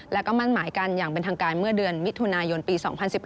แล้วก็มั่นหมายกันอย่างเป็นทางการเมื่อเดือนมิถุนายนปี๒๐๑๘